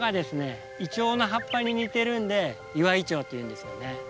イチョウの葉っぱに似てるんでイワイチョウっていうんですよね。